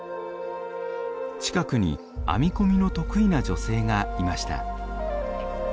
近くに編み込みの得意な女性がいました。